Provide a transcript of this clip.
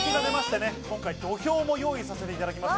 土俵も用意させていただきました。